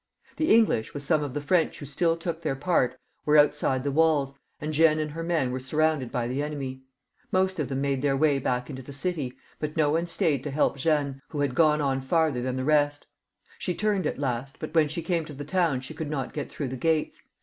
The English, with some of the French who still took their part, were outside the walls, and Jeanne and her men were surrounded by the enemy. Most of them made their way back into the city, but no one stayed to help Jeanne, who had gone on farther than all the rest. She turned at last, but when she came to the town she could not get through the gates.